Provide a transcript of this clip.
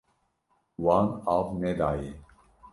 Wan av nedaye.